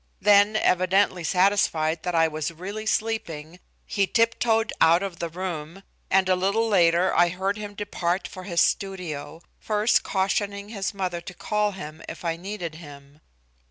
Then evidently satisfied that I was really sleeping he tiptoed out of the room, and a little later I heard him depart for his studio, first cautioning his mother to call him if I needed him.